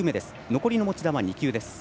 残りの持ち球は２球。